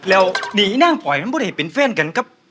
แล้วนี่นี่น้องปลอยมันพูดให้เป็นเฟรนกันครับ